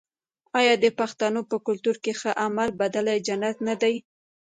آیا د پښتنو په کلتور کې د ښه عمل بدله جنت نه دی؟